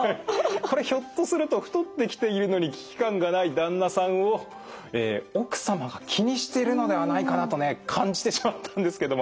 これひょっとすると太ってきているのに危機感がない旦那さんを奥様が気にしてるではないかなとね感じてしまったんですけども。